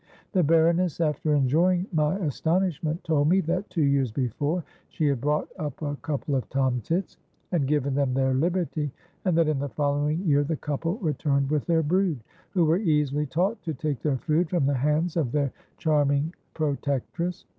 The baroness, after enjoying my astonishment, told me that two years before she had brought up a couple of tomtits, and given them their liberty; and that, in the following year, the couple returned with their brood, who were easily taught to take their food from the hands of their charming protectress.